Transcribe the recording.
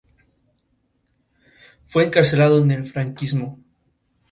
Fue encarcelado en el franquismo.